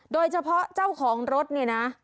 โดยเฉพาะเจ้าของรถเนี่ยนะ